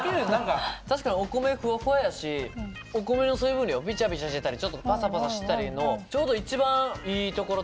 確かにお米ふわふわやしお米の水分量びちゃびちゃしてたりちょっとパサパサしてたりのちょうど一番いいところというか。